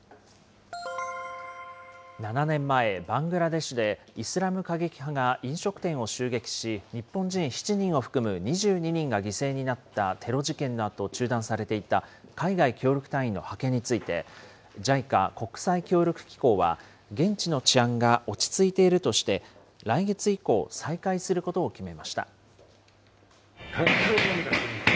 ７年前、バングラデシュでイスラム過激派が飲食店を襲撃し、日本人７人を含む２２人が犠牲になったテロ事件のあと中断されていた海外協力隊員の派遣について、ＪＩＣＡ・国際協力機構は、現地の治安が落ち着いているとして、来月以降、再開することを決めました。